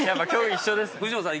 藤本さん